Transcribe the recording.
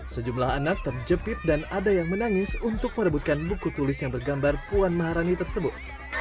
sejumlah anak terjepit dan ada yang menangis untuk merebutkan buku tulis yang bergambar puan maharani tersebut